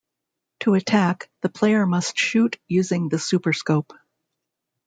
To attack, the player must shoot using the Super Scope.